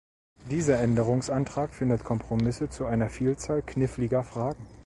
Dieser Änderungsantrag findet Kompromisse zu einer Vielzahl kniffeliger Fragen.